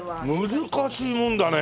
難しいもんだね。